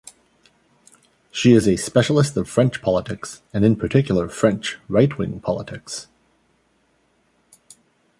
She is a specialist of French politics and in particular of French right-wing politics.